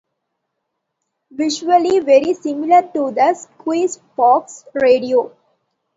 Visually very similar to the Squeezebox Radio.